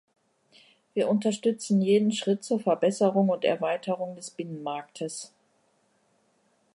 Wir unterstützen jeden Schritt zur Verbesserung und Erweiterung des Binnenmarktes.